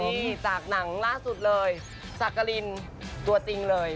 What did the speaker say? นี่จากหนังล่าสุดเลยสักกรินตัวจริงเลย